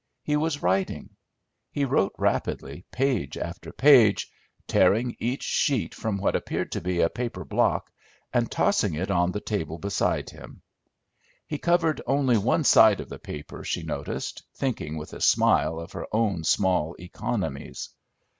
He was writing; he wrote rapidly page after page, tearing each sheet from what appeared to be a paper block, and tossing it on the table beside him; he covered only one side of the paper, she noticed, thinking with a smile of her own small economies.